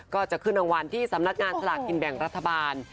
ก็จะขึ้นรางวัลที่สำนักงานสลากกินแบ่งรัฐบาล